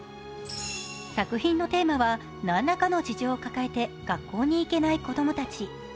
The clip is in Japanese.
作品のテーマは何らかの事情を抱えて学校に行けない子供たち。